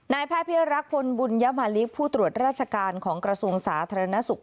แพทย์พิรักษ์พลบุญยมาลิกผู้ตรวจราชการของกระทรวงสาธารณสุข